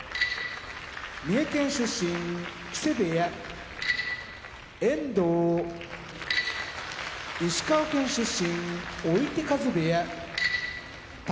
三重県出身木瀬部屋遠藤石川県出身追手風部屋宝